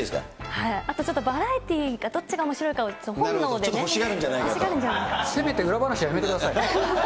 はい、あとちょっとバラエティーがどっちがおもしろいか、せめて裏話やめてください。